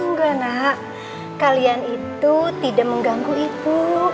enggak nak kalian itu tidak mengganggu ibu